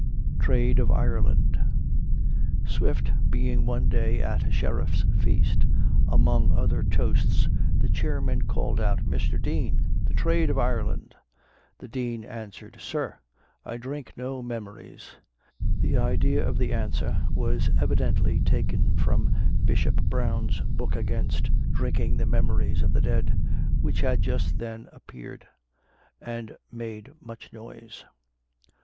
TRADE OF IRELAND. Swift being one day at a sheriffs feast, among other toasts the chairman called out, "Mr. Dean, the Trade of Ireland." The Dean answered, "Sir, I drink no memories." The idea of the answer was evidently taken from Bishop Brown's book against "Drinking the Memories of the dead," which had just then appeared, and made much noise.